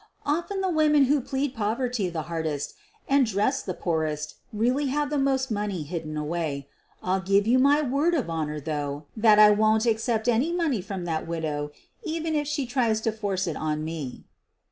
Often the women who plead poverty the hardest and dress the poorest really have the most money hidden away. I'll give you my word of honor, though, that I won't accept any money from that widow even if she tries to force it on me."